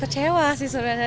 kecewa sih sebenarnya